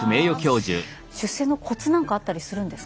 出世のコツなんかあったりするんですか？